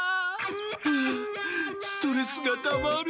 あストレスがたまる。